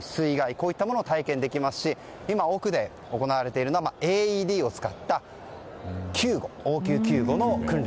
こういったものを体験できますし今、奥で行われているのはＡＥＤを使った応急救護の訓練。